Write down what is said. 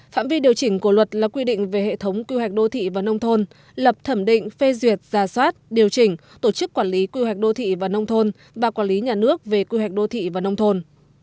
phạm vi điều chỉnh của luật là quy định về hệ thống quy hoạch đô thị và nông thôn lập thẩm định phê duyệt giả soát điều chỉnh tổ chức quản lý quy hoạch đô thị và nông thôn và quản lý nhà nước về quy hoạch đô thị và nông thôn